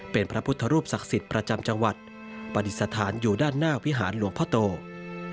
เป็นพระพุทธรูปศักดิ์สิทธิ์ประจำจังหวัดปฏิสถานอยู่ด้านหน้าวิหารหลวงพ่อโต